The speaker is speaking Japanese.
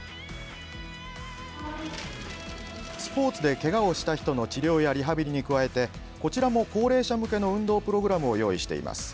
スポーツでけがをした人の治療やリハビリに加えてこちらも高齢者向けの運動プログラムを用意しています。